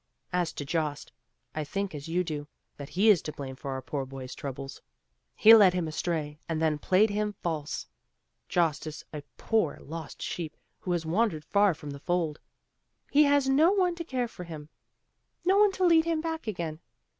As to Jost, I think as you do, that he is to blame for our poor boy's troubles. He led him astray and then played him false. Jost is a poor lost sheep who has wandered far from the fold. He has no one to care for him, no one to lead him back again.